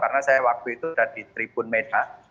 karena saya waktu itu sudah di tribun media